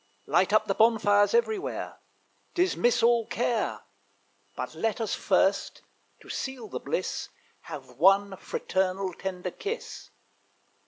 Light up the bonfires everywhere: Dismiss all care; But let us first, to seal the bliss, Have one fraternal, tender kiss."